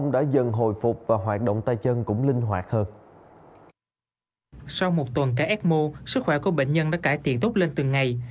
sau một tuần ca ecmo sức khỏe của bệnh nhân đã cải thiện tốt lên từng ngày